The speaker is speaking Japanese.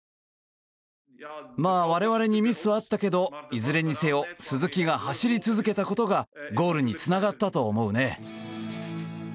まあ、我々にミスはあったけどいずれにせよ鈴木が走り続けたことがゴールにつながったと思うね。